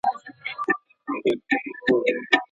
د لاس لیکنه د ذهن کور منظموي.